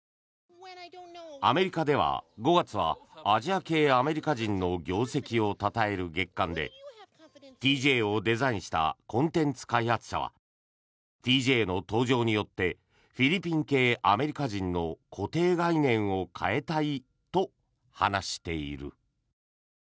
アメリカでは、５月はアジア系アメリカ人の業績をたたえる月間でＴＪをデザインしたコンテンツ開発者はＴＪの登場によってフィリピン系アメリカ人の固定概念を変えたいと話している。